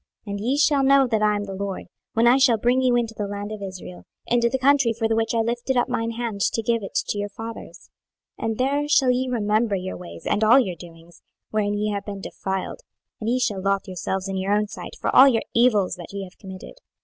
26:020:042 And ye shall know that I am the LORD, when I shall bring you into the land of Israel, into the country for the which I lifted up mine hand to give it to your fathers. 26:020:043 And there shall ye remember your ways, and all your doings, wherein ye have been defiled; and ye shall lothe yourselves in your own sight for all your evils that ye have committed.